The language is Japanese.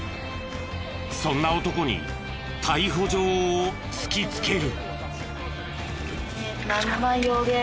そんな男に逮捕状を突きつける。